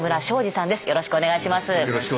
よろしくお願いします。